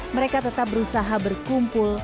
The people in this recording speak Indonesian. mereka tetap berusaha berkumpul